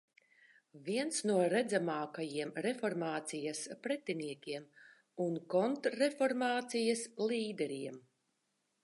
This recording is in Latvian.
Viens no redzamākajiem reformācijas pretiniekiem un kontrreformācijas līderiem.